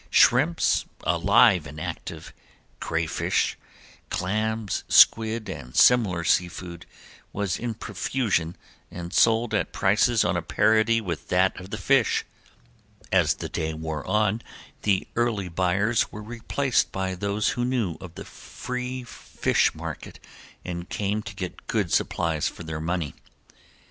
Shrimps, alive and active, crayfish, clams, squid and similar sea food was in profusion and sold at prices on a parity with that of the fish. As the day wore on the early buyers were replaced by those who knew of the free fish market and came to get good supplies for their money.